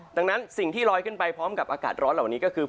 ดังนั้นสิ่งที่ลอยขึ้นไปพร้อมกับอากาศร้อนเหล่านี้ก็คือ